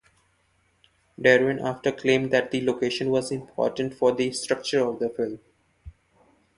Deren after claimed that the location was important for the structure of the film.